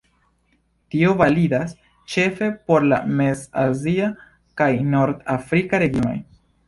Tio validas ĉefe por la mez-azia kaj nord-afrika regionoj.